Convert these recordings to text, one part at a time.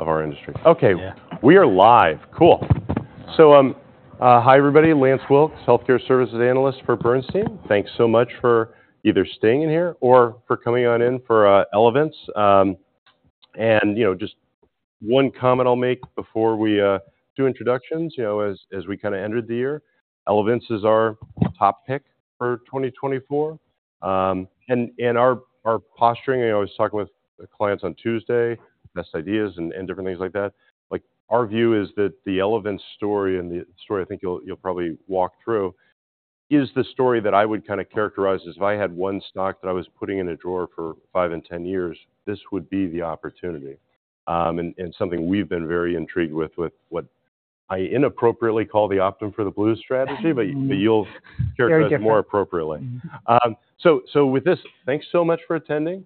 of our industry. Okay, we are live. Cool. So, hi, everybody. Lance Wilkes, healthcare services analyst for Bernstein. Thanks so much for either staying in here or for coming on in for Elevance. And, you know, just one comment I'll make before we do introductions, you know, as we kinda entered the year, Elevance is our top pick for 2024. And our posturing, I always talk with the clients on Tuesday, best ideas and different things like that. Like, our view is that the Elevance story, and the story I think you'll probably walk through, is the story that I would kinda characterize as if I had one stock that I was putting in a drawer for five and 10 years, this would be the opportunity. And something we've been very intrigued with what I inappropriately call the Optum for the Blues strategy, but you'll- Very different... characterize it more appropriately. So with this, thanks so much for attending.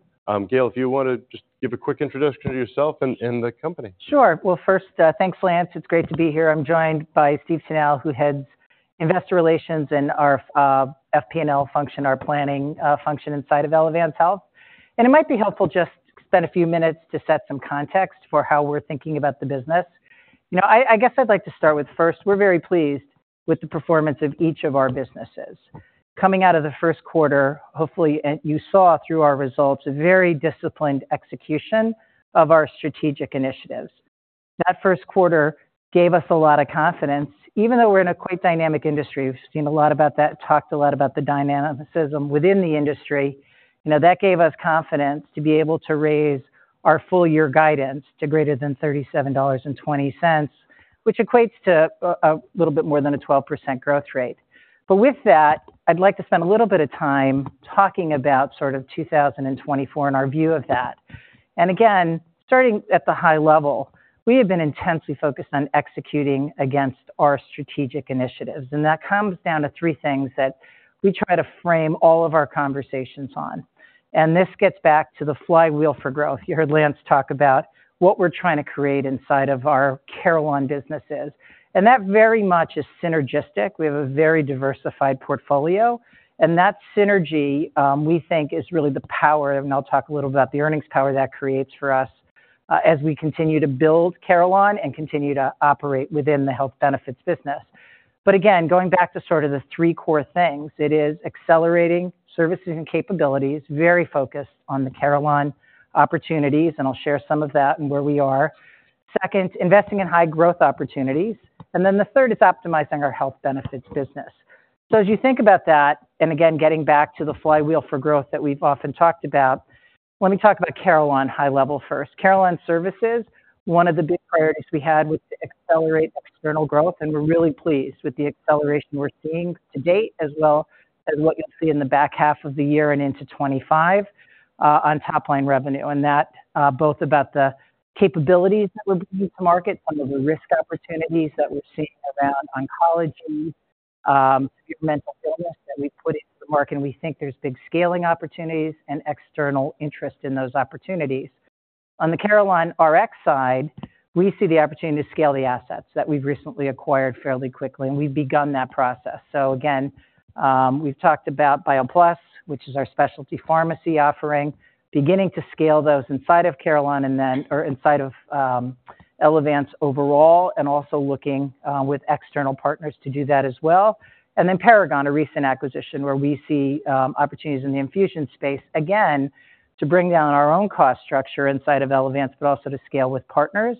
Gail, if you wanna just give a quick introduction to yourself and the company. Sure. Well, first, thanks, Lance. It's great to be here. I'm joined by Steve Tanal, who heads Investor Relations and our FP&A function, our planning function inside of Elevance Health. It might be helpful just to spend a few minutes to set some context for how we're thinking about the business. You know, I guess I'd like to start with, first, we're very pleased with the performance of each of our businesses. Coming out of the first quarter, hopefully, and you saw through our results, a very disciplined execution of our strategic initiatives. That first quarter gave us a lot of confidence, even though we're in a quite dynamic industry. We've seen a lot about that, talked a lot about the dynamism within the industry. You know, that gave us confidence to be able to raise our full year guidance to greater than $37.20, which equates to a little bit more than a 12% growth rate. But with that, I'd like to spend a little bit of time talking about sort of 2024 and our view of that. And again, starting at the high level, we have been intensely focused on executing against our strategic initiatives, and that comes down to three things that we try to frame all of our conversations on, and this gets back to the flywheel for growth. You heard Lance talk about what we're trying to create inside of our Carelon businesses, and that very much is synergistic. We have a very diversified portfolio, and that synergee, we think, is really the power, and I'll talk a little about the earnings power that creates for us, as we continue to build Carelon and continue to operate within the health benefits business. But again, going back to sort of the three core things, it is accelerating services and capabilities, very focused on the Carelon opportunities, and I'll share some of that and where we are. Second, investing in high growth opportunities, and then the third is optimizing our health benefits business. So as you think about that, and again, getting back to the Flywheel for Growth that we've often talked about, let me talk about Carelon high level first. Carelon Services, one of the big priorities we had was to accelerate external growth, and we're really pleased with the acceleration we're seeing to date, as well as what you'll see in the back half of the year and into 25, on top line revenue. And that both about the capabilities that we're bringing to market, some of the risk opportunities that we're seeing around oncology, mental illness, that we put into the market, and we think there's big scaling opportunities and external interest in those opportunities. On the CarelonRx side, we see the opportunity to scale the assets that we've recently acquired fairly quickly, and we've begun that process. So again, we've talked about BioPlus, which is our specialty pharmacy offering, beginning to scale those inside of Carelon and then or inside of Elevance overall, and also looking with external partners to do that as well. And then Paragon, a recent acquisition where we see opportunities in the infusion space, again, to bring down our own cost structure inside of Elevance, but also to scale with partners.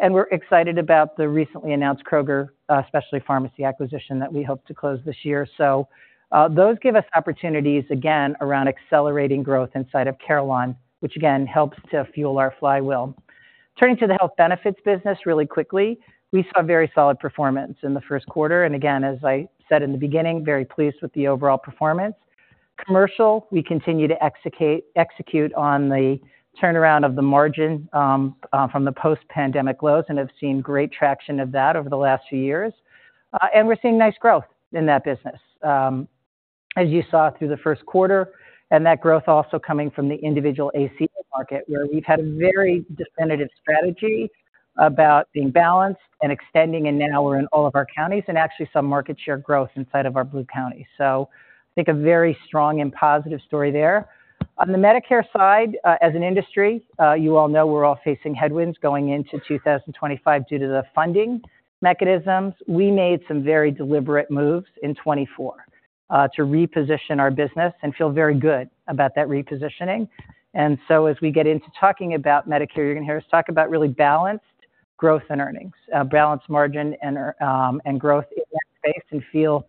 And we're excited about the recently announced Kroger Specialty Pharmacy acquisition that we hope to close this year. So those give us opportunities, again, around accelerating growth inside of Carelon, which again, helps to fuel our flywheel. Turning to the health benefits business really quickly, we saw very solid performance in the first quarter, and again, as I said in the beginning, very pleased with the overall performance. Commercial, we continue to execute on the turnaround of the margin from the post-pandemic lows and have seen great traction of that over the last few years. And we're seeing nice growth in that business, as you saw through the first quarter, and that growth also coming from the individual ACA market, where we've had a very definitive strategy about being balanced and extending, and now we're in all of our counties and actually some market share growth inside of our Blue counties. So I think a very strong and positive story there. On the Medicare side, as an industry, you all know, we're all facing headwinds going into 2025 due to the funding mechanisms. We made some very deliberate moves in 2024 to reposition our business and feel very good about that repositioning. As we get into talking about Medicare, you're gonna hear us talk about really balanced growth and earnings, balanced margin and growth in that space, and feel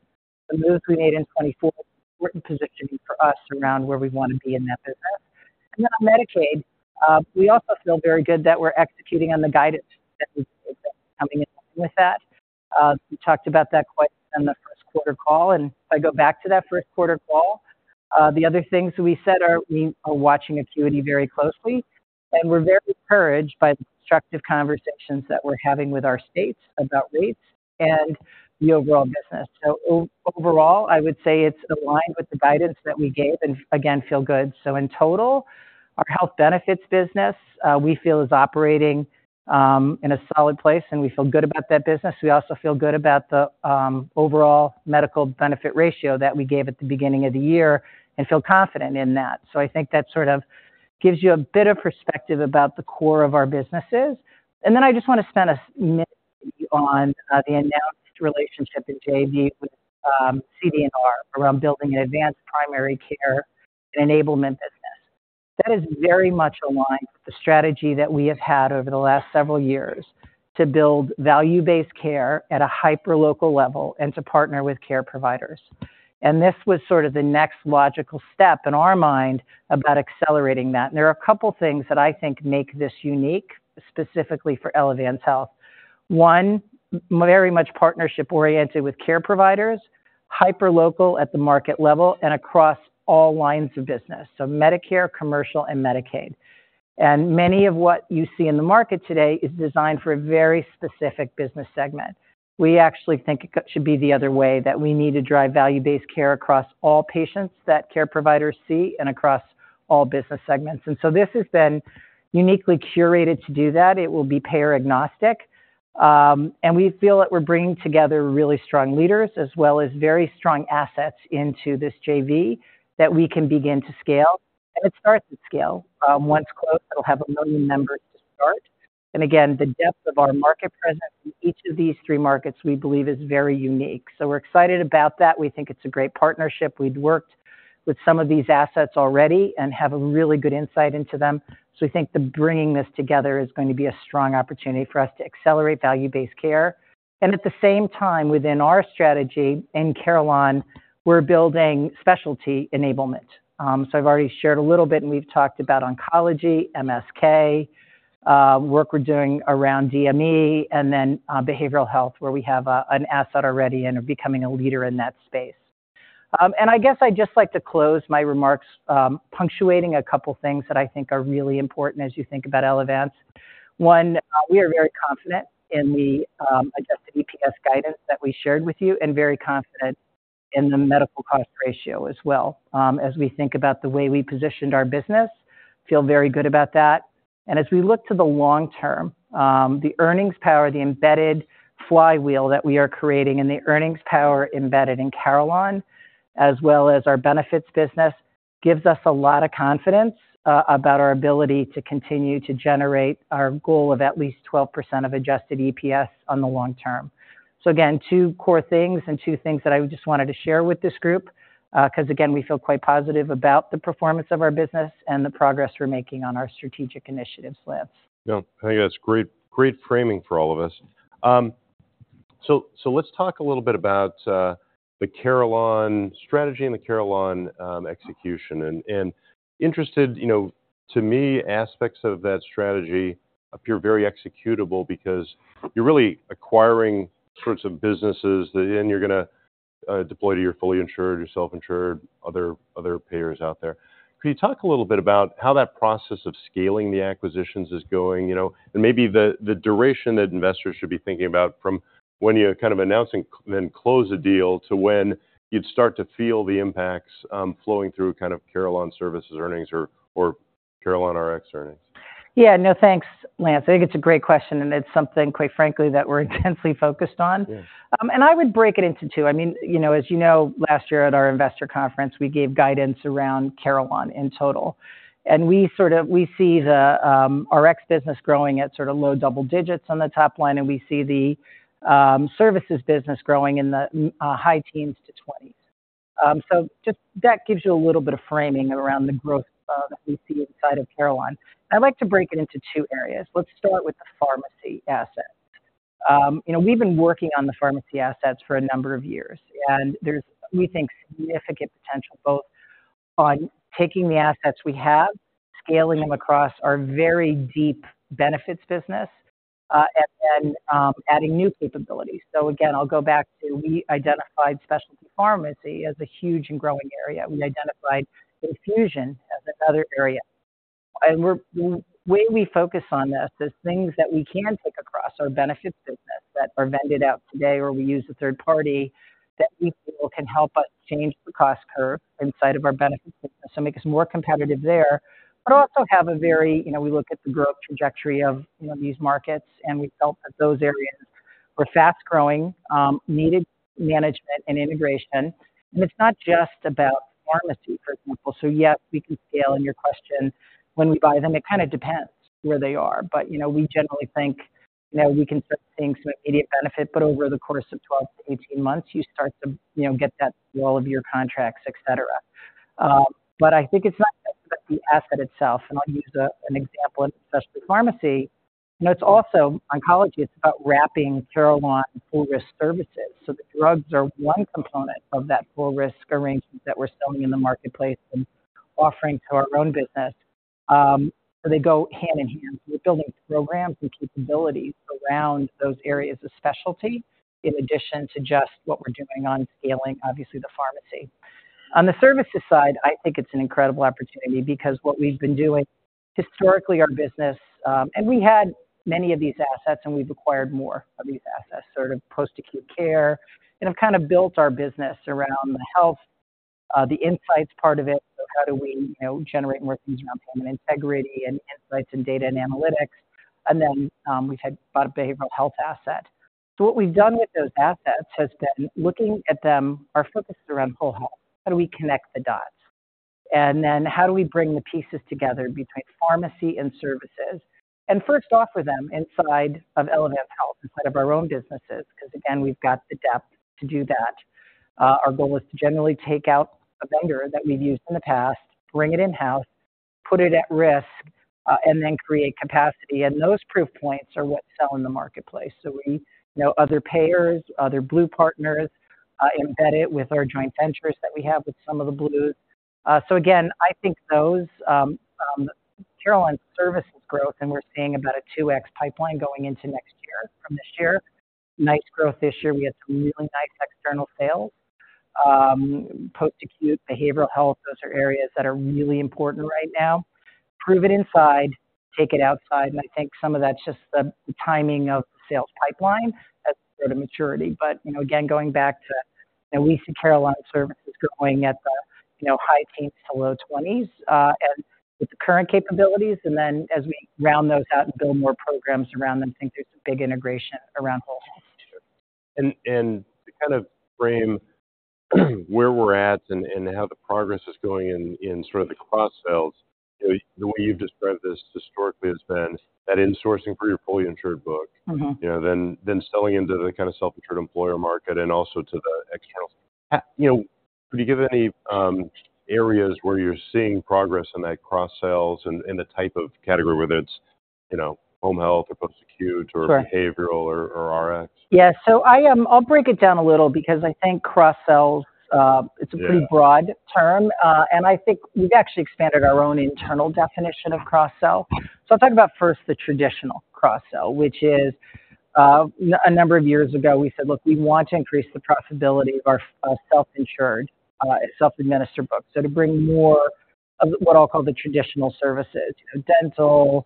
the moves we made in 2024, important positioning for us around where we wanna be in that business. Then on Medicaid, we also feel very good that we're executing on the guidance that we've been coming in with that. We talked about that quite in the first quarter call, and if I go back to that first quarter call, the other things we said are we are watching acuity very closely, and we're very encouraged by the constructive conversations that we're having with our states about rates and the overall business. So overall, I would say it's aligned with the guidance that we gave and again, feel good. So in total, our health benefits business, we feel is operating in a solid place, and we feel good about that business. We also feel good about the overall medical benefit ratio that we gave at the beginning of the year and feel confident in that. So I think that sort of gives you a bit of perspective about the core of our businesses. And then I just wanna spend a minute on the announced relationship in JV with CD&R, around building an advanced primary care and enablement business. That is very much aligned with the strategy that we have had over the last several years, to build value-based care at a hyper-local level and to partner with care providers. And this was sort of the next logical step in our mind about accelerating that. There are a couple things that I think make this unique, specifically for Elevance Health. One, very much partnership-oriented with care providers, hyper-local at the market level and across all lines of business, so Medicare, commercial, and Medicaid. Many of what you see in the market today is designed for a very specific business segment. We actually think it should be the other way, that we need to drive Value-Based Care across all patients that care providers see, and across all business segments. So this has been uniquely curated to do that. It will be payer agnostic. And we feel that we're bringing together really strong leaders, as well as very strong assets into this JV, that we can begin to scale, and it starts with scale. Once closed, it'll have 1 million members to start. And again, the depth of our market presence in each of these three markets, we believe is very unique. So we're excited about that. We think it's a great partnership. We've worked with some of these assets already and have a really good insight into them. So we think that bringing this together is going to be a strong opportunity for us to accelerate value-based care. And at the same time, within our strategy in Carelon, we're building specialty enablement. So I've already shared a little bit, and we've talked about oncology, MSK, work we're doing around DME, and then, behavioral health, where we have an asset already and are becoming a leader in that space. And I guess I'd just like to close my remarks, punctuating a couple things that I think are really important as you think about Elevance. One, we are very confident in the adjusted EPS guidance that we shared with you, and very confident in the medical cost ratio as well, as we think about the way we positioned our business. Feel very good about that. And as we look to the long term, the earnings power, the embedded flywheel that we are creating and the earnings power embedded in Carelon, as well as our benefits business, gives us a lot of confidence about our ability to continue to generate our goal of at least 12% of adjusted EPS on the long term. So again, two core things and two things that I just wanted to share with this group, 'cause again, we feel quite positive about the performance of our business and the progress we're making on our strategic initiatives, Lance. Yeah. I think that's great, great framing for all of us. So, let's talk a little bit about the Carelon strategy and the Carelon execution. And interested... You know, to me, aspects of that strategy appear very executable because you're really acquiring sorts of businesses, that then you're gonna deploy to your fully insured, your self-insured, other payers out there. Can you talk a little bit about how that process of scaling the acquisitions is going? You know, and maybe the duration that investors should be thinking about from when you're kind of announcing, then close a deal, to when you'd start to feel the impacts flowing through kind of Carelon Services earnings or CarelonRx earnings. Yeah. No, thanks, Lance. I think it's a great question, and it's something, quite frankly, that we're intensely focused on. Yes. And I would break it into two. I mean, you know, as you know, last year at our investor conference, we gave guidance around Carelon in total. And we sort of we see the Rx business growing at sort of low double digits on the top line, and we see the services business growing in the high teens to twenties. So just, that gives you a little bit of framing around the growth, that we see inside of Carelon. I'd like to break it into two areas. Let's start with the pharmacy assets. You know, we've been working on the pharmacy assets for a number of years, and there's, we think, significant potential both on taking the assets we have, scaling them across our very deep benefits business, and then, adding new capabilities. So again, I'll go back to we identified specialty pharmacy as a huge and growing area. We identified infusion as another area. And the way we focus on this is things that we can take across our benefits business that are vended out today, or we use a third party, that we feel can help us change the cost curve inside of our benefits business, so make us more competitive there. But also have a very... You know, we look at the growth trajectory of, you know, these markets, and we felt that those areas were fast-growing, needed management and integration, and it's not just about pharmacy, for example. So yes, we can scale in your question when we buy them. It kind of depends where they are, but, you know, we generally think, you know, we can start seeing some immediate benefit, but over the course of 12-18 months, you start to, you know, get that rollout of your contracts, etc. But I think it's not just about the asset itself, and I'll use an example in specialty pharmacy. You know, it's also oncology; it's about wrapping Carelon full-risk services. So the drugs are one component of that full-risk arrangement that we're selling in the marketplace and offering to our own business. So they go hand in hand. We're building programs and capabilities around those areas of specialty, in addition to just what we're doing on scaling, obviously, the pharmacy. On the services side, I think it's an incredible opportunity because what we've been doing. Historically, our business, and we had many of these assets, and we've acquired more of these assets, sort of post-acute care, and have kind of built our business around the health, the insights part of it. So how do we, you know, generate more things around payment integrity and insights and data and analytics? And then, we've had about a behavioral health asset. So what we've done with those assets has been looking at them, are focused around whole health. How do we connect the dots? And then how do we bring the pieces together between pharmacy and services, and first offer them inside of Elevance Health, inside of our own businesses, because, again, we've got the depth to do that. Our goal is to generally take out a vendor that we've used in the past, bring it in-house, put it at risk, and then create capacity. Those proof points are what sell in the marketplace. We know other payers, other Blue partners, embed it with our joint ventures that we have with some of the Blues. Again, I think those Carelon Services growth, and we're seeing about a 2x pipeline going into next year from this year. Nice growth this year. We had some really nice external sales. Post-acute, behavioral health, those are areas that are really important right now. Prove it inside, take it outside, and I think some of that's just the timing of the sales pipeline as sort of maturity. But, you know, again, going back to, you know, we see Carelon Services growing at the, you know, high teens to low twenties, and with the current capabilities, and then as we round those out and build more programs around them, I think there's some big integration around whole health, too. And to kind of frame where we're at and how the progress is going in sort of the cross sales, you know, the way you've described this historically has been that insourcing for your fully insured book- Mm-hmm. -you know, then selling into the kind of self-insured employer market and also to the external. You know, could you give any areas where you're seeing progress in that cross sales and the type of category, whether it's, you know, home health or post-acute or- Sure. behavioral or RX? Yeah, so I'll break it down a little because I think cross sales, Yeah... it's a pretty broad term, and I think we've actually expanded our own internal definition of cross sell. So I'll talk about first, the traditional cross sell, which is, a number of years ago, we said: Look, we want to increase the profitability of our, self-insured, self-administered book. So to bring more of what I'll call the traditional services, you know, dental,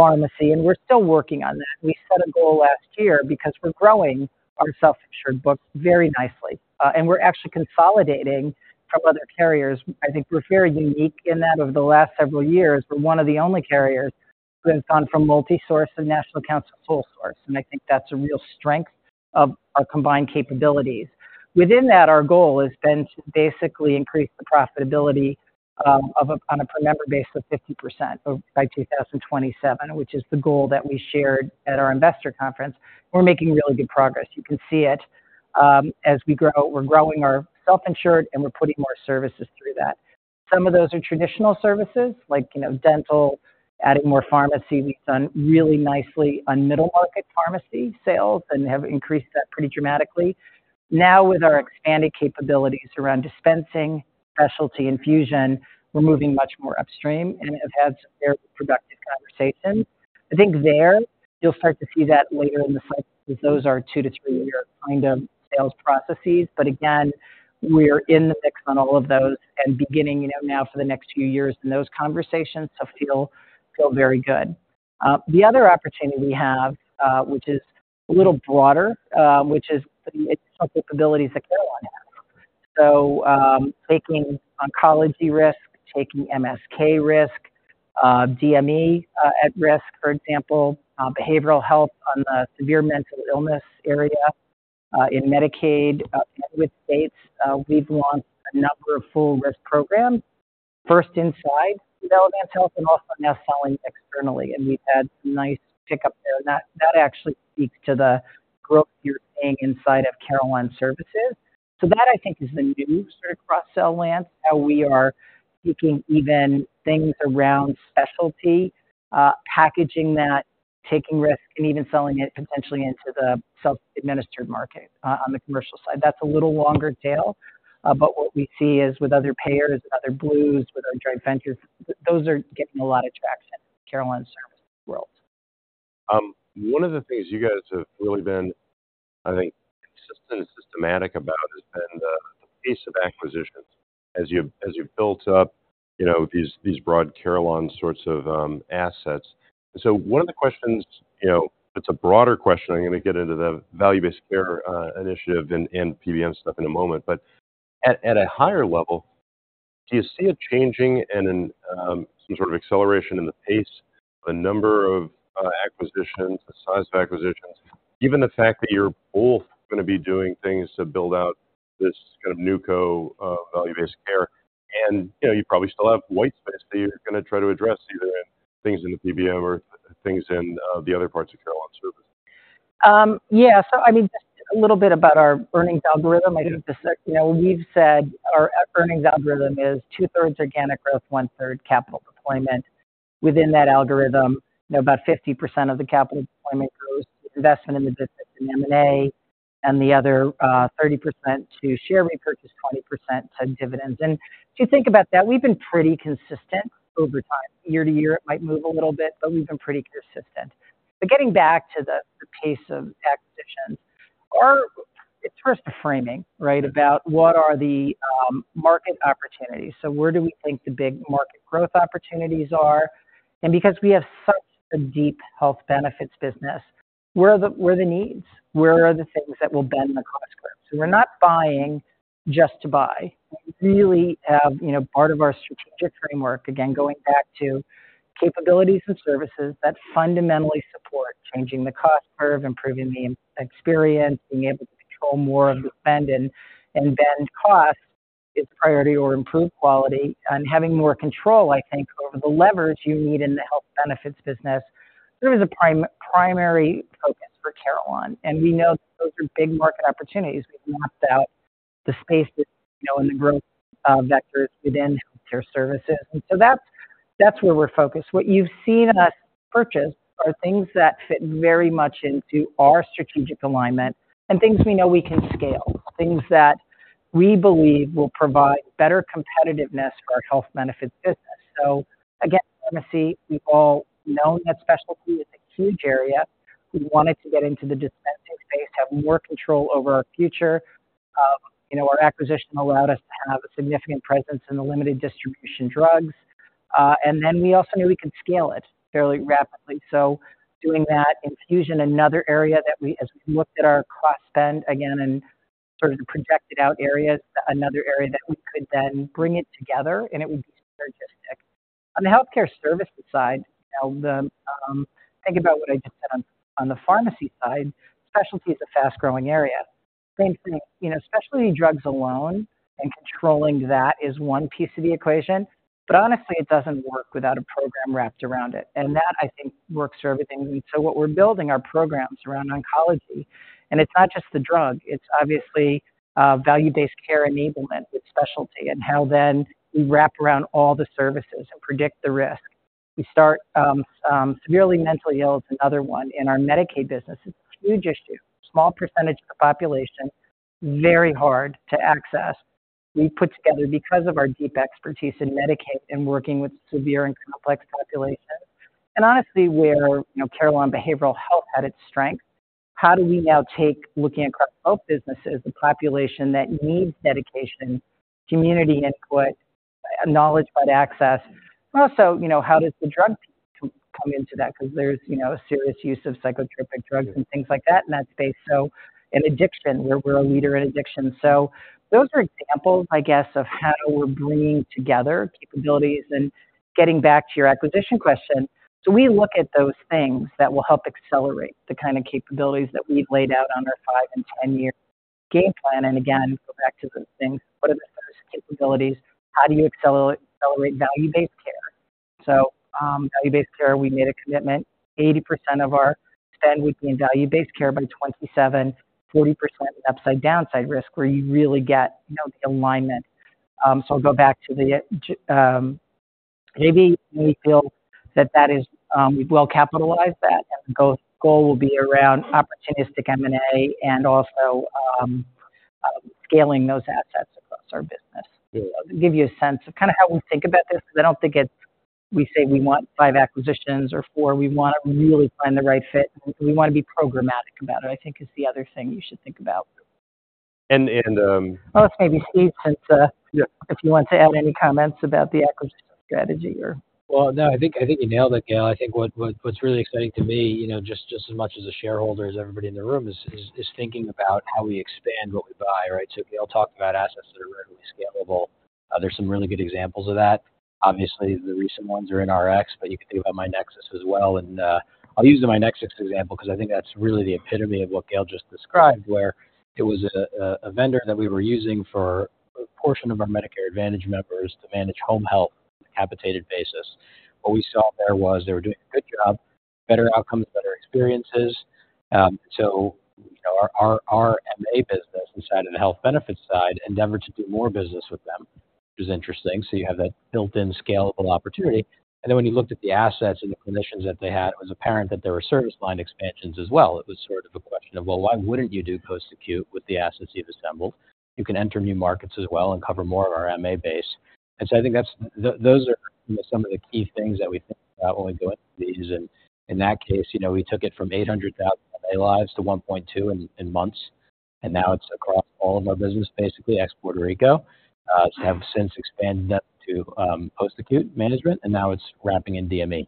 pharmacy, and we're still working on that. We set a goal last year because we're growing our self-insured book very nicely, and we're actually consolidating from other carriers. I think we're very unique in that over the last several years, we're one of the only carriers who have gone from multi-source and national accounts to sole source, and I think that's a real strength of our combined capabilities. Within that, our goal has been to basically increase the profitability on a per member basis by 50% by 2027, which is the goal that we shared at our investor conference. We're making really good progress. You can see it as we grow. We're growing our self-insured, and we're putting more services through that. Some of those are traditional services, like, you know, dental, adding more pharmacy. We've done really nicely on middle market pharmacy sales and have increased that pretty dramatically. Now, with our expanded capabilities around dispensing, specialty infusion, we're moving much more upstream and have had some very productive conversations. I think there, you'll start to see that later in the cycle, because those are 2-3-year kind of sales processes. But again, we're in the mix on all of those and beginning, you know, now for the next few years in those conversations, so feel, feel very good. The other opportunity we have, which is a little broader, which is the capabilities that Carelon has. So, taking oncology risk, taking MSK risk, DME, at risk, for example, behavioral health on the severe mental illness area, in Medicaid, with states, we've launched a number of full risk programs, first inside Elevance Health and also now selling externally, and we've had nice pickup there. And that, that actually speaks to the growth you're seeing inside of Carelon Services. So that, I think, is the new sort of cross-sell lane, how we are taking even things around specialty, packaging that, taking risk, and even selling it potentially into the self-administered market, on the commercial side. That's a little longer tail, but what we see is with other payers, other Blues, with our joint ventures, those are getting a lot of traction in Carelon Services world. One of the things you guys have really been, I think, consistent and systematic about, has been the pace of acquisitions as you've built up, you know, these broad Carelon sorts of assets. So one of the questions, you know, it's a broader question. I'm gonna get into the value-based care initiative and PBM stuff in a moment, but at a higher level, do you see a changing and some sort of acceleration in the pace, the number of acquisitions, the size of acquisitions, even the fact that you're both gonna be doing things to build out this kind of new co value-based care? And, you know, you probably still have white space that you're gonna try to address, either in things in the PBM or things in the other parts of Carelon service. Yeah. So I mean, just a little bit about our earnings algorithm. I think, you know, we've said our earnings algorithm is 2/3 organic growth, 1/3 capital deployment. Within that algorithm, you know, about 50% of the capital deployment goes to investment in the business and M&A, and the other, 30% to share repurchase, 20% to dividends. And if you think about that, we've been pretty consistent over time. Year to year, it might move a little bit, but we've been pretty consistent. But getting back to the pace of acquisitions, it's first the framing, right? About what are the market opportunities. So where do we think the big market growth opportunities are? And because we have such a deep health benefits business, where are the, where are the needs? Where are the things that will bend the cost curve?... So we're not buying just to buy. We really have, you know, part of our strategic framework, again, going back to capabilities and services that fundamentally support changing the cost curve, improving the experience, being able to control more of the spend and bend costs is priority or improve quality. And having more control, I think, over the leverage you need in the health benefits business, there is a primary focus for Carelon. And we know those are big market opportunities. We've mapped out the space that, you know, and the growth vectors within healthcare services. And so that's, that's where we're focused. What you've seen us purchase are things that fit very much into our strategic alignment and things we know we can scale, things that we believe will provide better competitiveness for our health benefits business. So again, pharmacy, we've all known that specialty is a huge area. We wanted to get into the dispensing space, have more control over our future. You know, our acquisition allowed us to have a significant presence in the limited distribution drugs, and then we also knew we could scale it fairly rapidly. So doing that infusion, another area that, as we looked at our cross spend again and sort of projected out areas, another area that we could then bring it together, and it would be synergistic. On the healthcare service side, now the, think about what I just said on the pharmacy side, specialty is a fast-growing area. Same thing, you know, specialty drugs alone and controlling that is one piece of the equation, but honestly, it doesn't work without a program wrapped around it, and that, I think, works for everything we need. So what we're building our programs around oncology, and it's not just the drug, it's obviously value-based care enablement with specialty and how then we wrap around all the services and predict the risk. We start, severely mentally ill is another one. In our Medicaid business, it's a huge issue. Small percentage of the population, very hard to access. We've put together, because of our deep expertise in Medicaid and working with severe and complex populations, and honestly, where, you know, Carelon Behavioral Health had its strength, how do we now take looking across health businesses, the population that needs medication, community input, knowledge about access, and also, you know, how does the drug come into that? 'Cause there's, you know, a serious use of psychotropic drugs and things like that in that space, so, and addiction, where we're a leader in addiction. So those are examples, I guess, of how we're bringing together capabilities. And getting back to your acquisition question, so we look at those things that will help accelerate the kind of capabilities that we've laid out on our five-and-ten-year game plan. And again, go back to the things, what are the first capabilities? How do you accelerate value-based care? So, Value-Based Care, we made a commitment, 80% of our spend would be in Value-Based Care by 2027, 40% upside downside risk, where you really get, you know, the alignment. So I'll go back to the goal, maybe we feel that that is, we've well capitalized that, and the goal will be around opportunistic M&A and also, scaling those assets across our business. To give you a sense of kinda how we think about this, because I don't think it's, we say we want five acquisitions or four. We wanna really find the right fit, and we wanna be programmatic about it, I think is the other thing you should think about. And, and, um- Well, let's maybe, Steve, since, Yeah. If you want to add any comments about the acquisition strategy or? Well, no, I think, I think you nailed it, Gail. I think what, what, what's really exciting to me, you know, just as much as a shareholder, as everybody in the room, is, is, is thinking about how we expand what we buy, right? So Gail talked about assets that are readily scalable. There's some really good examples of that. Obviously, the recent ones are in Rx, but you can think about myNEXUS as well. And I'll use the myNEXUS example because I think that's really the epitome of what Gail just described, where it was a vendor that we were using for a portion of our Medicare Advantage members to manage home health, capitated basis. What we saw there was they were doing a good job, better outcomes, better experiences. So, you know, our MA business inside of the health benefits side endeavored to do more business with them, which is interesting. So you have that built-in scalable opportunity, and then when you looked at the assets and the clinicians that they had, it was apparent that there were service line expansions as well. It was sort of a question of, well, why wouldn't you do post-acute with the assets you've assembled? You can enter new markets as well and cover more of our MA base. And so I think that's those are some of the key things that we think about when we go into these. And in that case, you know, we took it from 800,000 MA lives to 1.2 in months, and now it's across all of our business, basically, ex-Puerto Rico. So have since expanded that to post-acute management, and now it's wrapping in DME.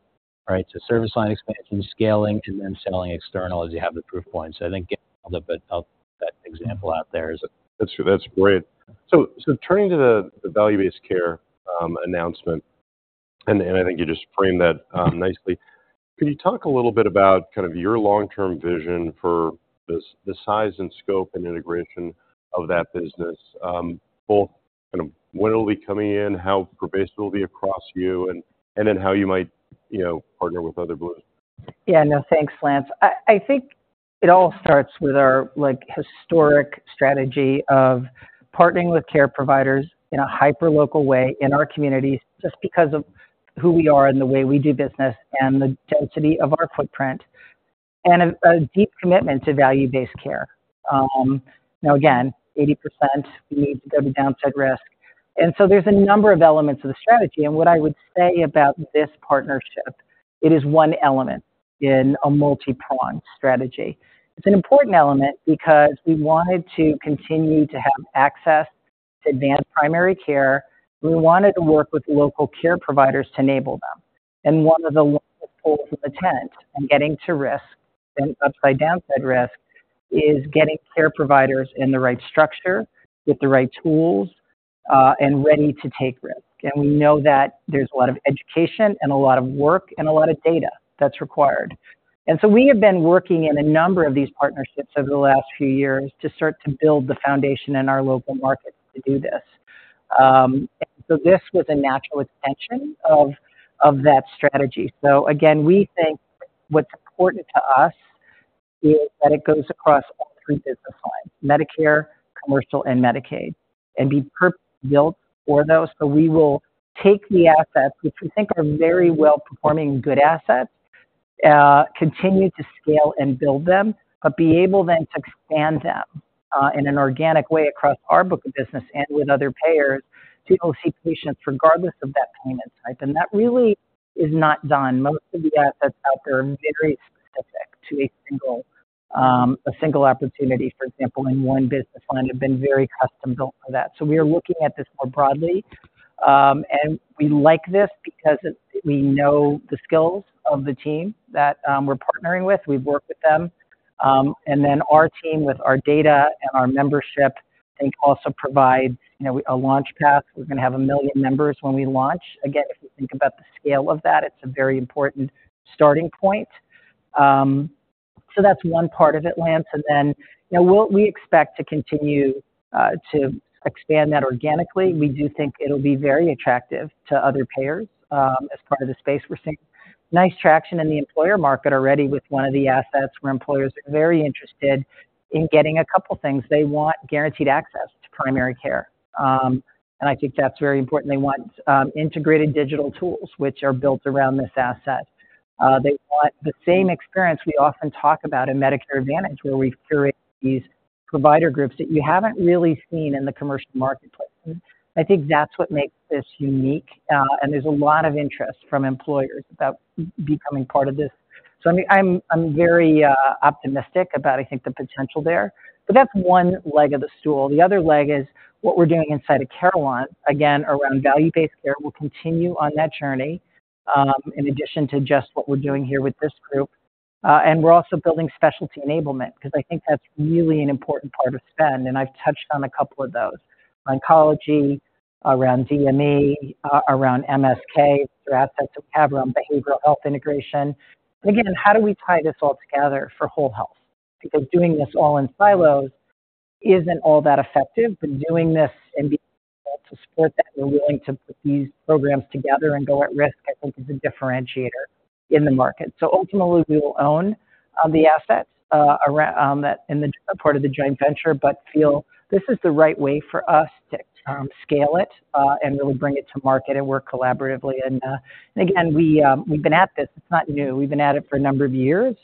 All right, so service line expansion, scaling, and then selling external as you have the proof points. So I think Gail put that example out there as a- That's great. So turning to the value-based care announcement, and I think you just framed that nicely. Can you talk a little bit about kind of your long-term vision for this, the size and scope and integration of that business? Both kind of when it'll be coming in, how pervasive it will be across you, and then how you might, you know, partner with other blues. Yeah, no, thanks, Lance. I think it all starts with our, like, historic strategy of partnering with care providers in a hyper-local way in our communities, just because of who we are and the way we do business and the density of our footprint, and a deep commitment to value-based care. Now, again, 80%, we need to go to downside risk. And so there's a number of elements of the strategy, and what I would say about this partnership, it is one element in a multi-pronged strategy. It's an important element because we wanted to continue to have access to advanced primary care. We wanted to work with local care providers to enable them.... And one of the poles of the tent and getting to risk and upside down side risk, is getting care providers in the right structure, with the right tools, and ready to take risk. And we know that there's a lot of education, and a lot of work, and a lot of data that's required. And so we have been working in a number of these partnerships over the last few years to start to build the foundation in our local markets to do this. So this was a natural extension of, of that strategy. So again, we think what's important to us is that it goes across all three business lines, Medicare, commercial, and Medicaid, and be built for those. So we will take the assets, which we think are very well-performing, good assets, continue to scale and build them, but be able then to expand them in an organic way across our book of business and with other payers to go see patients, regardless of that payment type. That really is not done. Most of the assets out there are very specific to a single opportunity, for example, in one business line, have been very custom-built for that. So we are looking at this more broadly. We like this because we know the skills of the team that we're partnering with. We've worked with them. Then our team, with our data and our membership, I think, also provide, you know, a launch path. We're gonna have 1 million members when we launch. Again, if you think about the scale of that, it's a very important starting point. So that's one part of it, Lance. Then, you know, what we expect to continue to expand that organically. We do think it'll be very attractive to other payers as part of the space. We're seeing nice traction in the employer market already with one of the assets, where employers are very interested in getting a couple things. They want guaranteed access to primary care. And I think that's very important. They want integrated digital tools, which are built around this asset. They want the same experience we often talk about in Medicare Advantage, where we've curated these provider groups that you haven't really seen in the commercial marketplace. I think that's what makes this unique, and there's a lot of interest from employers about becoming part of this. So, I mean, I'm very optimistic about, I think, the potential there. But that's one leg of the stool. The other leg is what we're doing inside of Carelon, again, around value-based care. We'll continue on that journey, in addition to just what we're doing here with this group. And we're also building specialty enablement, 'cause I think that's really an important part of spend, and I've touched on a couple of those: oncology, around DME, around MSK, through assets we have around behavioral health integration. And again, how do we tie this all together for whole health? Because doing this all in silos isn't all that effective, but doing this and being able to support that, we're willing to put these programs together and go at risk, I think, is a differentiator in the market. So ultimately, we will own the assets around that in the part of the joint venture, but feel this is the right way for us to scale it and really bring it to market and work collaboratively. And again, we've been at this, it's not new. We've been at it for a number of years.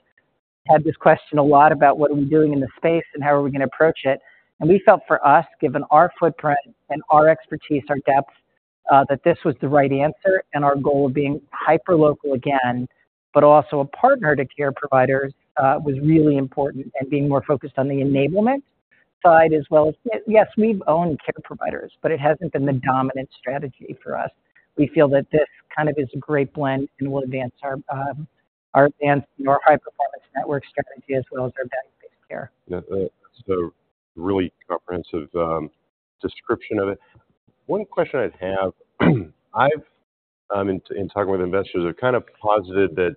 Had this question a lot about what are we doing in the space and how are we gonna approach it. We felt for us, given our footprint and our expertise, our depth, that this was the right answer, and our goal of being hyperlocal again, but also a partner to care providers, was really important, and being more focused on the enablement side as well. Yes, we've owned care providers, but it hasn't been the dominant strategy for us. We feel that this kind of is a great blend and will advance our high-performance network strategy as well as our value-based care. Yeah, so really comprehensive description of it. One question I'd have, in talking with investors, I've kind of posited that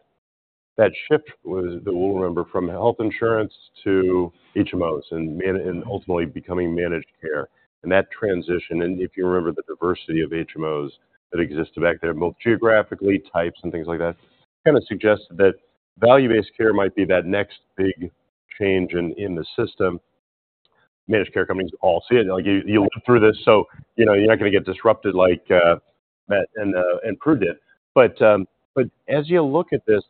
the shift we'll remember from health insurance to HMOs and ultimately becoming managed care, and that transition, and if you remember the diversity of HMOs that existed back then, both geographically, types, and things like that, kinda suggests that value-based care might be that next big change in the system. Managed care companies all see it. Like, you lived through this, so you know, you're not gonna get disrupted like Met and Prudential did. But as you look at this,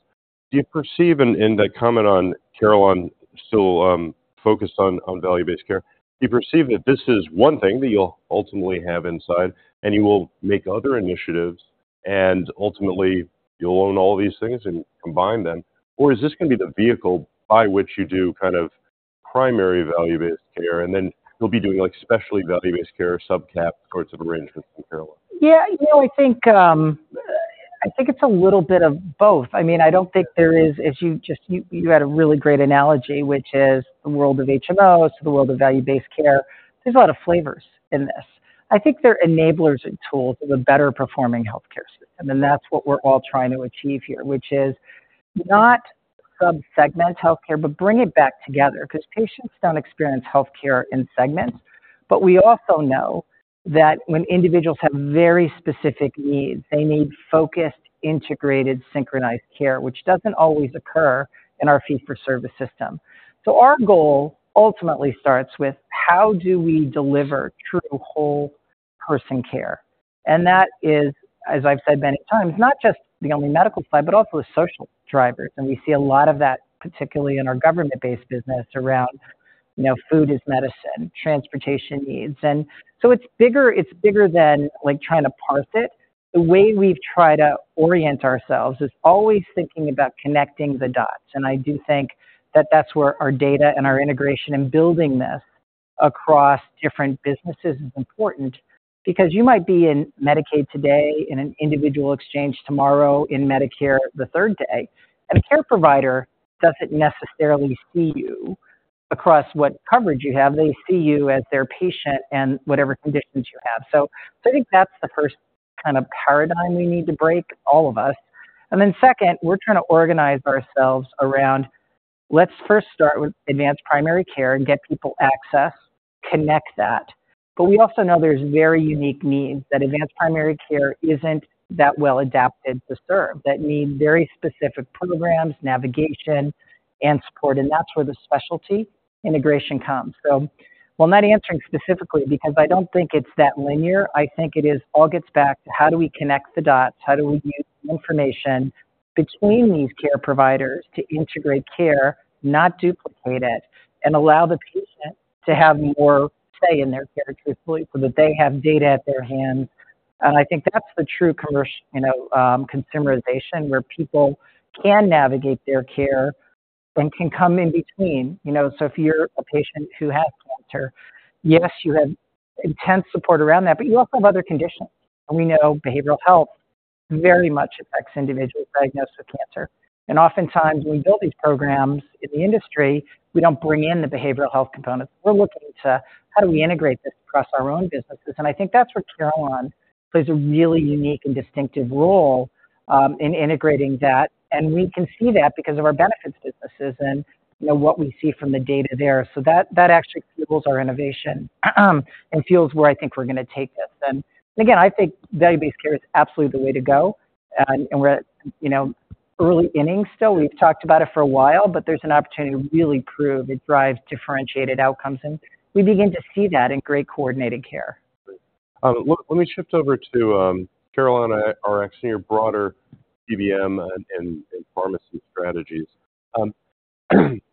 do you perceive in the comment on Carelon still focused on value-based care, do you perceive that this is one thing that you'll ultimately have inside, and you will make other initiatives, and ultimately you'll own all these things and combine them? Or is this gonna be the vehicle by which you do kind of primary value-based care, and then you'll be doing, like, specialty value-based care, subcap sorts of arrangements in Carelon? Yeah, you know, I think, I think it's a little bit of both. I mean, I don't think there is. If you just had a really great analogy, which is the world of HMOs, the world of value-based care. There's a lot of flavors in this. I think they're enablers and tools of a better performing healthcare system, and that's what we're all trying to achieve here, which is not subsegment healthcare, but bring it back together. Because patients don't experience healthcare in segments. But we also know that when individuals have very specific needs, they need focused, integrated, synchronized care, which doesn't always occur in our fee-for-service system. So our goal ultimately starts with: How do we deliver true whole person care? And that is, as I've said many times, not just the only medical side, but also the social drivers. And we see a lot of that, particularly in our government-based business, around, you know, food as medicine, transportation needs. And so it's bigger, it's bigger than, like, trying to parse it. The way we've tried to orient ourselves is always thinking about connecting the dots, and I do think that that's where our data and our integration in building this across different businesses is important because you might be in Medicaid today, in an individual exchange tomorrow, in Medicare the third day. And a care provider doesn't necessarily see you across what coverage you have. They see you as their patient and whatever conditions you have. So I think that's the first kind of paradigm we need to break, all of us. And then second, we're trying to organize ourselves around, let's first start with advanced primary care and get people access, connect that. But we also know there's very unique needs that advanced primary care isn't that well adapted to serve, that need very specific programs, navigation, and support, and that's where the specialty integration comes. So while I'm not answering specifically, because I don't think it's that linear, I think it is-- all gets back to how do we connect the dots? How do we use information between these care providers to integrate care, not duplicate it, and allow the patient to have more say in their care truthfully, so that they have data at their hands? And I think that's the true commerc-- you know, consumerization, where people can navigate their care and can come in between. You know, so if you're a patient who has cancer, yes, you have intense support around that, but you also have other conditions. We know behavioral health very much affects individuals diagnosed with cancer. Oftentimes, when we build these programs in the industry, we don't bring in the behavioral health component. We're looking to how do we integrate this across our own businesses? And I think that's where Carelon plays a really unique and distinctive role in integrating that, and we can see that because of our benefits businesses and, you know, what we see from the data there. So that actually fuels our innovation, and fuels where I think we're gonna take this. And, again, I think value-based care is absolutely the way to go, and we're at, you know, early innings still. We've talked about it for a while, but there's an opportunity to really prove it drives differentiated outcomes, and we begin to see that in great coordinated care. Let me shift over to Carelon Rx and your broader PBM and pharmacy strategies.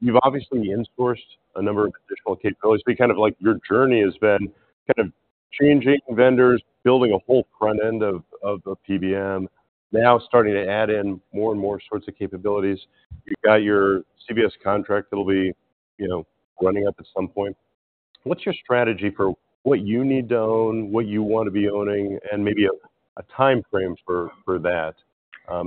You've obviously in-sourced a number of traditional capabilities, but kind of like your journey has been kind of changing vendors, building a whole front end of a PBM, now starting to add in more and more sorts of capabilities. You've got your CVS contract that'll be, you know, running up at some point. What's your strategy for what you need to own, what you want to be owning, and maybe a timeframe for that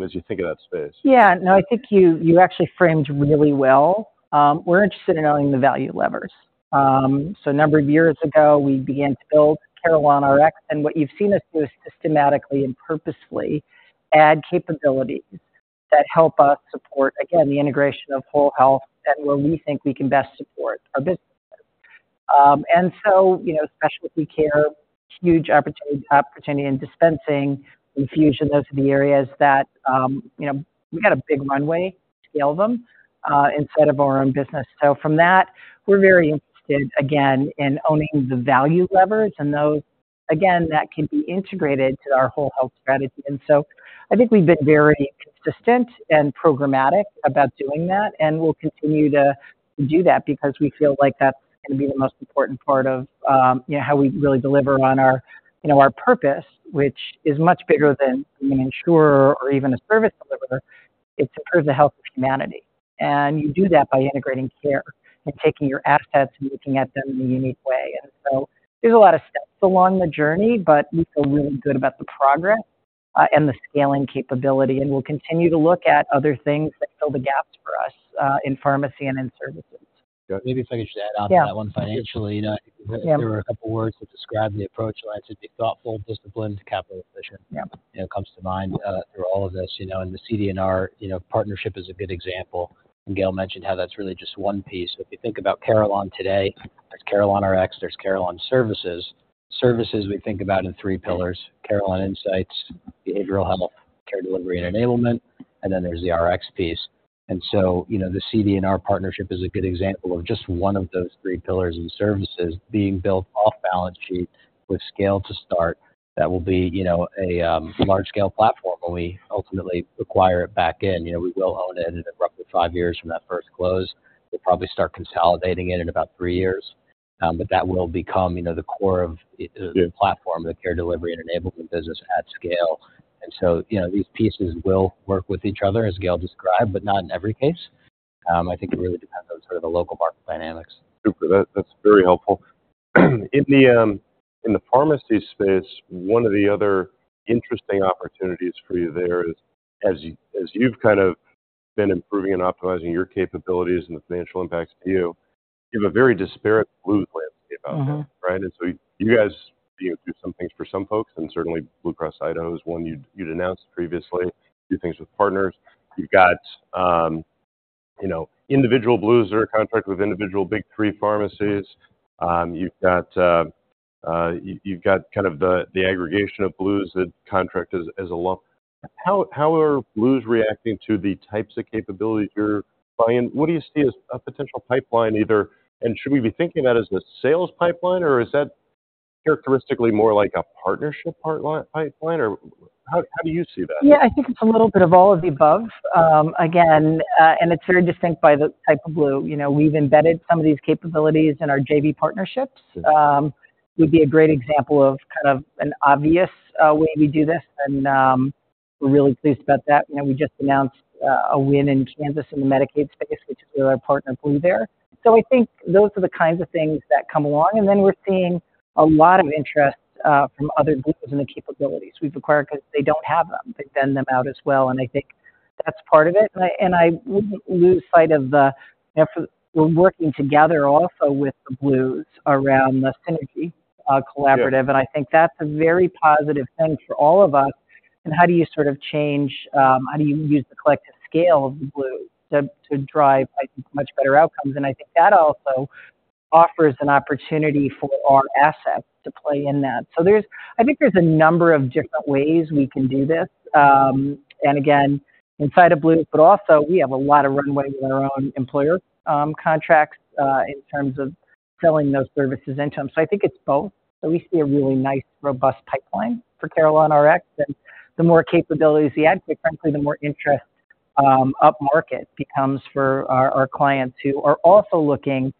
as you think of that space? Yeah, no, I think you actually framed really well. We're interested in owning the value levers. So a number of years ago, we began to build Carelon Rx, and what you've seen us do systematically and purposefully, add capabilities that help us support, again, the integration of whole health and where we think we can best support our businesses. And so, you know, specialty care, huge opportunity, opportunity in dispensing, infusion, those are the areas that, you know, we've got a big runway to scale them, inside of our own business. So from that, we're very interested, again, in owning the value levers and those, again, that can be integrated to our whole health strategy. And so I think we've been very consistent and programmatic about doing that, and we'll continue to do that because we feel like that's gonna be the most important part of, you know, how we really deliver on our, you know, our purpose, which is much bigger than being an insurer or even a service deliverer. It's to improve the health of humanity. And you do that by integrating care and taking your assets and looking at them in a unique way. And so there's a lot of steps along the journey, but we feel really good about the progress, and the scaling capability, and we'll continue to look at other things that fill the gaps for us, in pharmacy and in services. Maybe if I could just add on to that one financially. Yeah. You know, there are a couple words to describe the approach, and I'd say be thoughtful, disciplined, capital efficient- Yeah... you know, comes to mind through all of this, you know, and the CD&R, you know, partnership is a good example. And Gail mentioned how that's really just one piece. If you think about Carelon today, there's CarelonRx, there's Carelon Services. Services, we think about in three pillars: Carelon Insights, behavioral health, care delivery, and enablement, and then there's the Rx piece. And so, you know, the CD&R partnership is a good example of just one of those three pillars and services being built off balance sheet with scale to start. That will be, you know, a large scale platform when we ultimately acquire it back in. You know, we will own it in roughly five years from that first close. We'll probably start consolidating it in about three years, but that will become, you know, the core of the platform, the care delivery and enablement business at scale. And so, you know, these pieces will work with each other, as Gail described, but not in every case. I think it really depends on sort of the local market dynamics. Super. That, that's very helpful. In the pharmacy space, one of the other interesting opportunities for you there is, as you, as you've kind of been improving and optimizing your capabilities and the financial impacts to you, you have a very disparate Blue landscape out there. Mm-hmm. Right? And so you guys, you know, do some things for some folks, and certainly Blue Cross of Idaho is one you'd announced previously, do things with partners. You've got, you know, individual Blues or contract with individual big three pharmacies. You've got kind of the aggregation of Blues that contract as a lump. How are Blues reacting to the types of capabilities you're buying? What do you see as a potential pipeline either? And should we be thinking about as a sales pipeline, or is that characteristically more like a partnership pipeline, or how do you see that? Yeah, I think it's a little bit of all of the above. Again, and it's very distinct by the type of Blue. You know, we've embedded some of these capabilities in our JV partnerships. Would be a great example of kind of an obvious way we do this and we're really pleased about that. You know, we just announced a win in Kansas in the Medicaid space, which is with our partner Blue there. So I think those are the kinds of things that come along, and then we're seeing a lot of interest from other groups in the capabilities we've acquired because they don't have them. They vend them out as well, and I think that's part of it. I wouldn't lose sight of the, you know, for we're working together also with the Blues around the synergy, collaborative. Sure. And I think that's a very positive thing for all of us. And how do you sort of change, how do you use the collective scale of the Blues to drive, I think, much better outcomes? And I think that also offers an opportunity for our assets to play in that. So there's, I think, a number of different ways we can do this. And again, inside of Blue, but also we have a lot of runway with our own employer contracts in terms of selling those services into them. So I think it's both. So we see a really nice, robust pipeline for CarelonRx, and the more capabilities we add, quite frankly, the more interest upmarket becomes for our clients who are also looking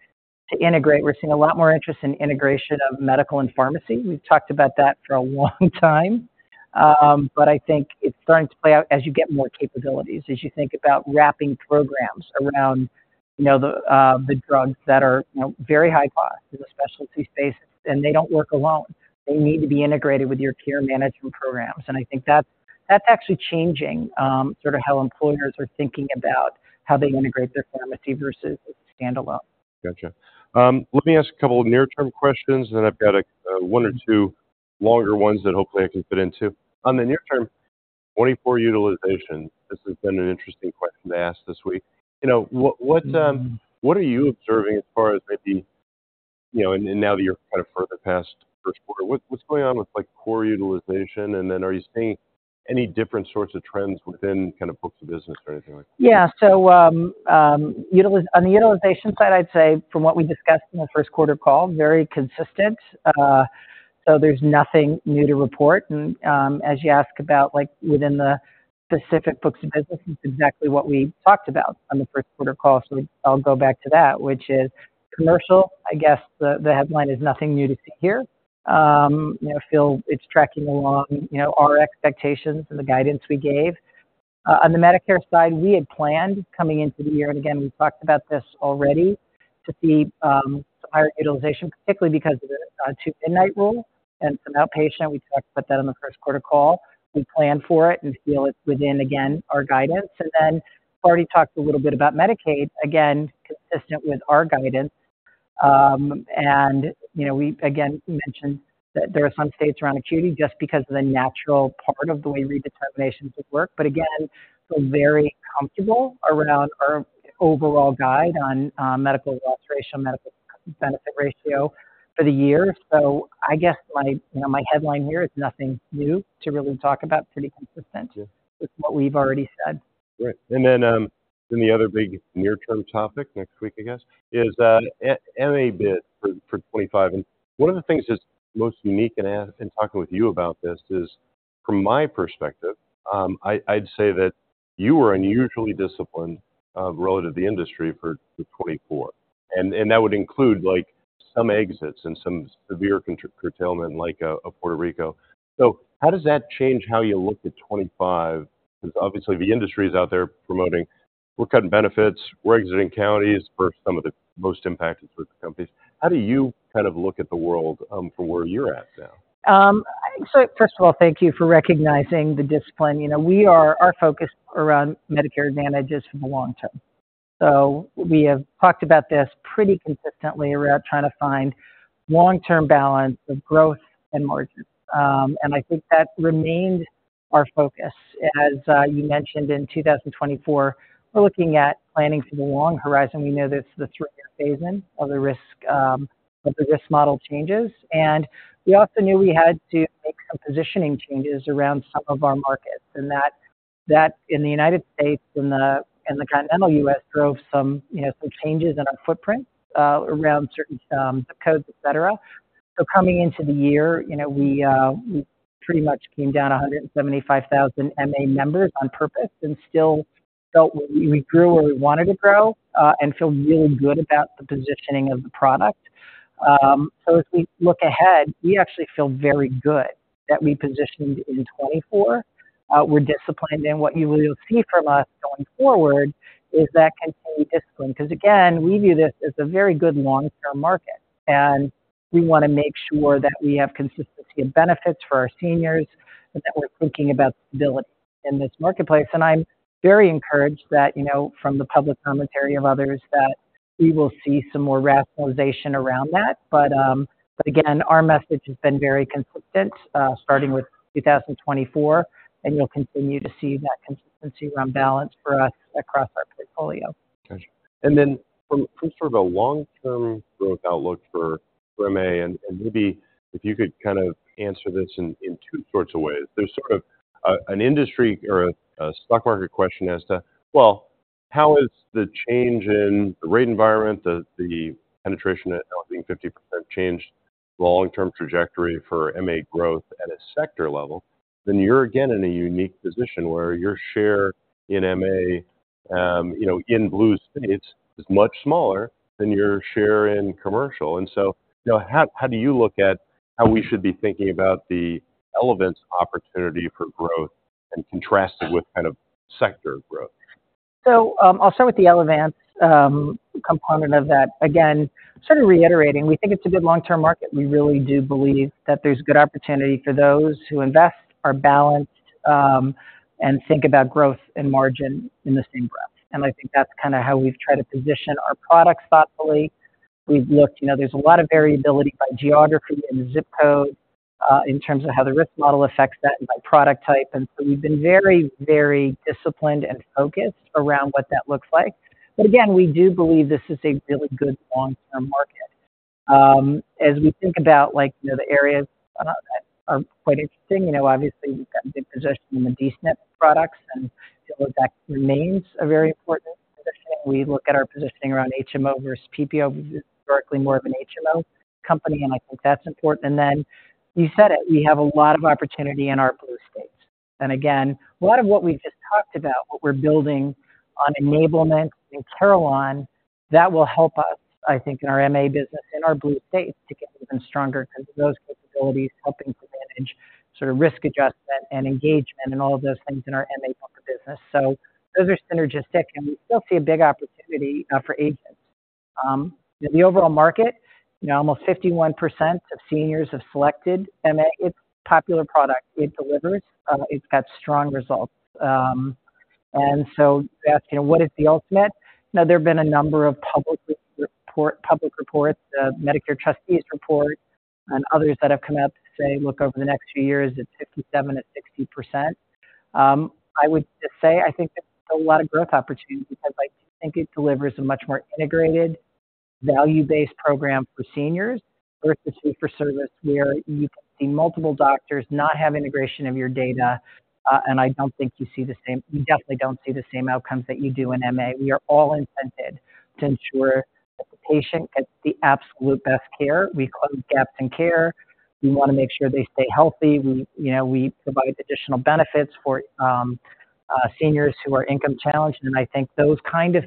to integrate. We're seeing a lot more interest in integration of medical and pharmacy. We've talked about that for a long time. But I think it's starting to play out as you get more capabilities, as you think about wrapping programs around, you know, the, the drugs that are, you know, very high cost in the specialty space, and they don't work alone. They need to be integrated with your care management programs. And I think that's, that's actually changing, sort of how employers are thinking about how they integrate their pharmacy versus standalone. Gotcha. Let me ask a couple of near-term questions, and then I've got one or two longer ones that hopefully I can fit in, too. On the near term, 2024 utilization, this has been an interesting question to ask this week. You know, what are you observing as far as maybe, you know, and now that you're kind of further past the first quarter, what's going on with, like, core utilization? And then are you seeing any different sorts of trends within kind of books of business or anything like that? Yeah. So, on the utilization side, I'd say from what we discussed in the first quarter call, very consistent. So there's nothing new to report. And, as you ask about, like, within the specific books of business, this is exactly what we talked about on the first quarter call, so I'll go back to that, which is commercial. I guess the headline is nothing new to see here. You know, feel it's tracking along, you know, our expectations and the guidance we gave. On the Medicare side, we had planned coming into the year, and again, we've talked about this already, to see some higher utilization, particularly because of the Two-Midnight Rule and some outpatient. We talked about that on the first quarter call. We planned for it and feel it's within, again, our guidance. Then I've already talked a little bit about Medicaid, again, consistent with our guidance. You know, we again mentioned that there are some states around acuity just because of the natural part of the way redeterminations would work. Again, feel very comfortable around our overall guide on medical ratio, medical benefit ratio for the year. I guess my, you know, my headline here is nothing new to really talk about, pretty consistent- Yeah With what we've already said. Great. And then the other big near-term topic next week, I guess, is MA bid for 2025. And one of the things that's most unique, and in talking with you about this, is from my perspective, I'd say that you were unusually disciplined relative to the industry for 2024. And that would include, like, some exits and some severe curtailment, like, of Puerto Rico. So how does that change how you look at 2025? Because obviously the industry is out there promoting, "We're cutting benefits, we're exiting counties," for some of the most impacted companies. How do you kind of look at the world from where you're at now? So first of all, thank you for recognizing the discipline. You know, we are our focus around Medicare Advantage is for the long term. So we have talked about this pretty consistently around trying to find long-term balance of growth and margins. And I think that remained our focus. As you mentioned in 2024, we're looking at planning for the long horizon. We know there's the three-year phase-in of the risk model changes, and we also knew we had to make some positioning changes around some of our markets. And that, that in the United States and the continental US drove some, you know, some changes in our footprint around certain codes, etc. So coming into the year, you know, we, we pretty much came down 175,000 MA members on purpose and still felt we, we grew where we wanted to grow, and feel really good about the positioning of the product. So as we look ahead, we actually feel very good that we positioned in 2024. We're disciplined, and what you will see from us going forward is that continued discipline, because again, we view this as a very good long-term market, and we want to make sure that we have consistency of benefits for our seniors and that we're thinking about stability in this marketplace. And I'm very encouraged that, you know, from the public commentary of others, that we will see some more rationalization around that. But again, our message has been very consistent, starting with 2024, and you'll continue to see that consistency around balance for us across our portfolio. Gotcha. And then from sort of a long-term growth outlook for MA, and maybe if you could kind of answer this in two sorts of ways. There's sort of an industry or a stock market question as to, well, how is the change in the rate environment, the penetration now being 50% changed the long-term trajectory for MA growth at a sector level? Then you're again in a unique position where your share in MA, you know, in Blue states is much smaller than your share in commercial. And so, you know, how do you look at how we should be thinking about the Elevance opportunity for growth and contrast it with kind of sector growth? So, I'll start with the Elevance component of that. Again, sort of reiterating, we think it's a good long-term market. We really do believe that there's good opportunity for those who invest, are balanced, and think about growth and margin in the same breath. And I think that's kind of how we've tried to position our products thoughtfully. We've looked, you know, there's a lot of variability by geography and ZIP code in terms of how the risk model affects that, and by product type. And so we've been very, very disciplined and focused around what that looks like. But again, we do believe this is a really good long-term market. As we think about, like, you know, the areas that are quite interesting, you know, obviously, we've got a good position in the D-SNP products, and so that remains a very important position. We look at our positioning around HMO versus PPO, historically more of an HMO company, and I think that's important. And then, you said it, we have a lot of opportunity in our Blue states. And again, a lot of what we've just talked about, what we're building on enablement in Carelon, that will help us, I think, in our MA business, in our Blue states, to get even stronger because of those capabilities helping to manage sort of risk adjustment and engagement and all of those things in our MA business. So those are synergistic, and we still see a big opportunity for agents. The overall market, you know, almost 51% of seniors have selected MA. It's a popular product. It delivers, it's got strong results. And so you ask, you know, what is the ultimate? Now, there have been a number of public reports, Medicare Trustees Report and others that have come out to say, look, over the next few years, it's 57%-60%. I would just say, I think there's a lot of growth opportunity because I think it delivers a much more integrated, value-based program for seniors, versus fee-for-service, where you can see multiple doctors not have integration of your data, and I don't think you see the same-- you definitely don't see the same outcomes that you do in MA. We are all incented to ensure that the patient gets the absolute best care. We close gaps in care. We wanna make sure they stay healthy. We, you know, we provide additional benefits for seniors who are income-challenged, and I think those kind of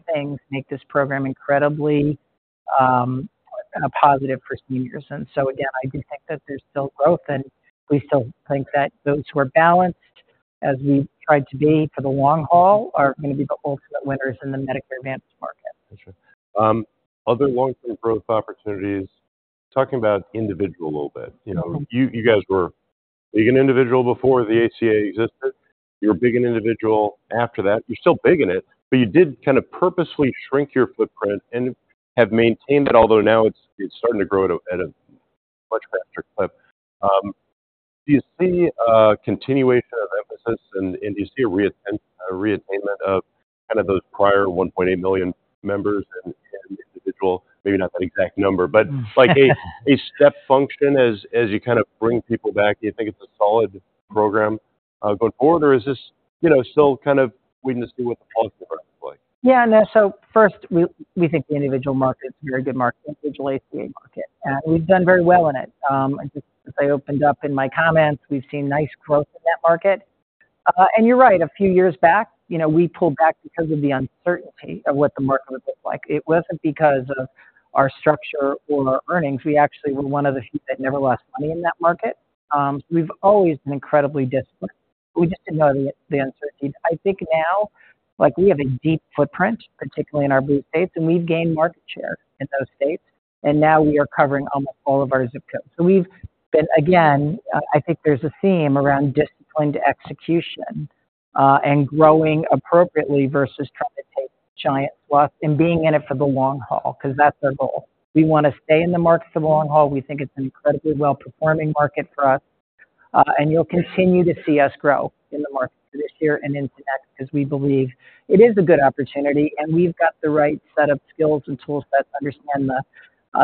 things make this program incredibly positive for seniors. And so again, I do think that there's still growth, and we still think that those who are balanced, as we've tried to be for the long haul, are gonna be the ultimate winners in the Medicare Advantage market. Sure. Other long-term growth opportunities, talking about individual a little bit. You know- Mm-hmm. You, you guys were big in individual before the ACA existed. You were big in individual after that. You're still big in it, but you did kind of purposefully shrink your footprint and have maintained it, although now it's starting to grow at a much faster clip. Do you see a continuation of emphasis, and do you see a reattainment of kind of those prior 1.8 million members in individual, maybe not that exact number, but like a step function as you kind of bring people back? Do you think it's a solid program going forward, or is this, you know, still kind of waiting to see what the puzzle looks like? Yeah, no, so first, we think the individual market is a very good market, individual ACA market, and we've done very well in it. I just, as I opened up in my comments, we've seen nice growth in that market. And you're right, a few years back, you know, we pulled back because of the uncertainty of what the market would look like. It wasn't because of our structure or our earnings. We actually were one of the few that never lost money in that market. We've always been incredibly disciplined. We just didn't know the uncertainty. I think now, like, we have a deep footprint, particularly in our Blue States, and we've gained market share in those states, and now we are covering almost all of our ZIP codes. So we've been... Again, I think there's a theme around disciplined execution, and growing appropriately versus trying to take giant swaps and being in it for the long haul, 'cause that's our goal. We wanna stay in the market for the long haul. We think it's an incredibly well-performing market for us. And you'll continue to see us grow in the market this year and into next, because we believe it is a good opportunity, and we've got the right set of skills and toolsets to understand the,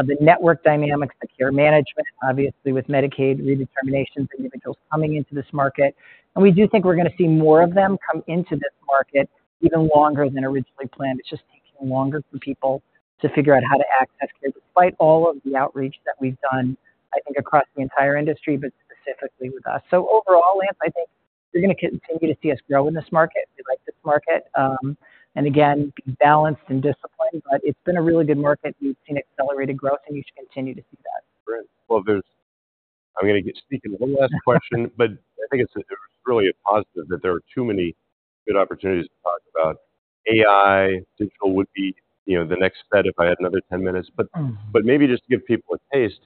the network dynamics, the care management, obviously, with Medicaid redeterminations, individuals coming into this market. And we do think we're gonna see more of them come into this market, even longer than originally planned. It's just taking longer for people to figure out how to access care, despite all of the outreach that we've done, I think, across the entire industry, but specifically with us. So overall, Lance, I think you're gonna continue to see us grow in this market. We like this market. And again, being balanced and disciplined, but it's been a really good market. We've seen accelerated growth, and you should continue to see that. Great. Well, there's. I'm gonna sneak in one last question. But I think it's really a positive that there are too many good opportunities to talk about. AI, digital would be, you know, the next bet if I had another 10 minutes. Mm. But, but maybe just to give people a taste,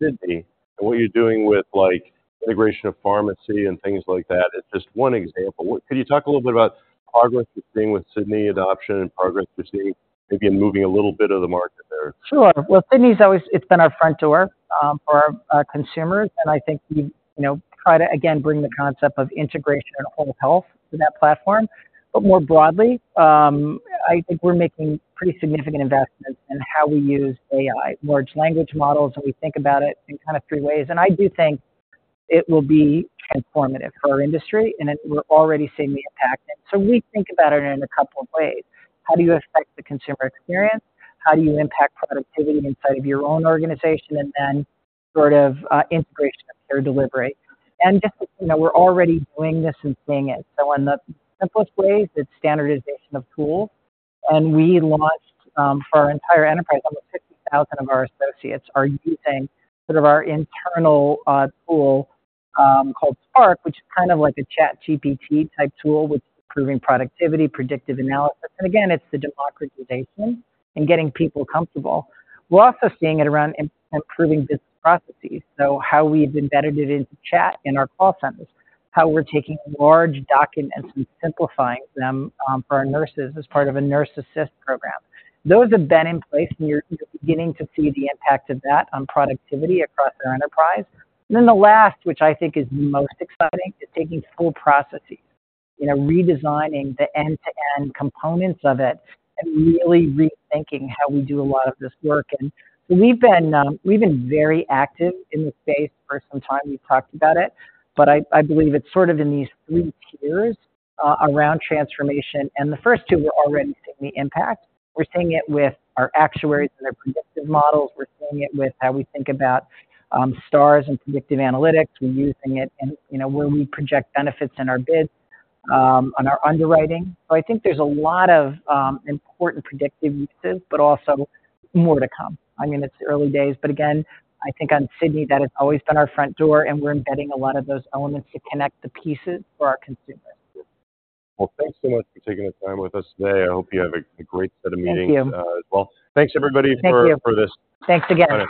Sydney, and what you're doing with, like, integration of pharmacy and things like that, it's just one example. What-- Can you talk a little bit about progress you're seeing with Sydney, adoption and progress you're seeing, maybe in moving a little bit of the market there? Sure. Well, Sydney's always, it's been our front door, for our consumers, and I think we, you know, try to, again, bring the concept of integration and whole health to that platform. But more broadly, I think we're making pretty significant investments in how we use AI. Large language models, and we think about it in kind of three ways. And I do think it will be transformative for our industry, and it, we're already seeing the impact. So we think about it in a couple of ways: How do you affect the consumer experience? How do you impact productivity inside of your own organization? And then sort of, integration of care delivery. And just so you know, we're already doing this and seeing it. So in the simplest way, it's standardization of tools. And we launched, for our entire enterprise, almost 60,000 of our associates are using sort of our internal tool called Spark, which is kind of like a ChatGPT-type tool with improving productivity, predictive analysis. And again, it's the democratization and getting people comfortable. We're also seeing it around improving business processes, so how we've embedded it into chat in our call centers, how we're taking large documents and simplifying them for our nurses as part of a nurse assist program. Those have been in place, and you're beginning to see the impact of that on productivity across our enterprise. And then the last, which I think is the most exciting, is taking full processes, you know, redesigning the end-to-end components of it and really rethinking how we do a lot of this work. We've been, we've been very active in this space for some time. We've talked about it, but I believe it's sort of in these three tiers around transformation, and the first two, we're already seeing the impact. We're seeing it with our actuaries and our predictive models. We're seeing it with how we think about stars and predictive analytics. We're using it in, you know, where we project benefits in our bids on our underwriting. So I think there's a lot of important predictive uses, but also more to come. I mean, it's early days, but again, I think on Sydney, that has always been our front door, and we're embedding a lot of those elements to connect the pieces for our consumers. Well, thanks so much for taking the time with us today. I hope you have a great set of meetings- Thank you... as well. Thanks, everybody, for- Thank you... for this. Thanks again.